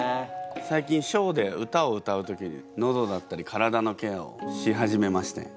最近ショーで歌を歌う時にのどだったり体のケアをし始めまして。